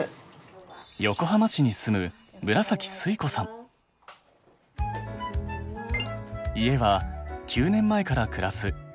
横浜市に住む家は９年前から暮らす４ＬＤＫ。